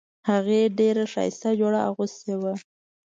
هغې ډیره ښایسته جوړه اغوستې وه